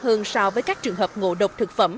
hơn so với các trường hợp ngộ độc thực phẩm